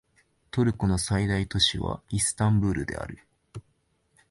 トルコの最大都市はイスタンブールである